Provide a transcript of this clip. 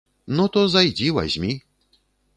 Ну, то зайдзі, вазьмі!